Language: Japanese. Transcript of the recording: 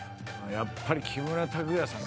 やっぱり木村拓哉さん。